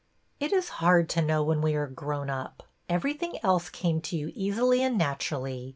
'' It is hard to know when we are grown up. Everything else came to you easily and naturally.